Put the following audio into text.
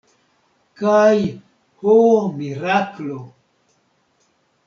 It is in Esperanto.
Kaj, ho miraklo!